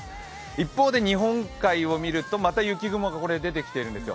一方で日本海を見ると、また雪雲が見えているんですよ。